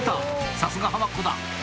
さすが浜っ子だ！